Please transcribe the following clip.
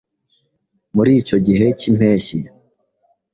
Muri icyo gihe k'impeshyi,